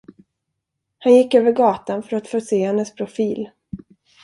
Han gick över gatan för att få se hennes profil.